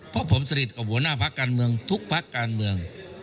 เพราะผมสฤทธิ์กับหัวหน้าภักดิ์การเมืองทุกภักดิ์การเมือง